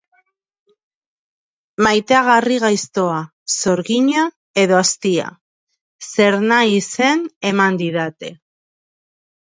Lehen zatia nahiko txarra izan zen.